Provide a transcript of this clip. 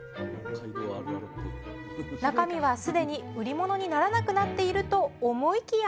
中身は既に売り物にならなくなっていると思いきや。